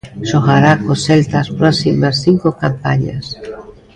Xogará co Celta as próximas cinco campañas.